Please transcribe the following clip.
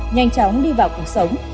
nhanh chóng đi vào cuộc sống